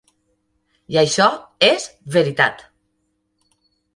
I això és veritat.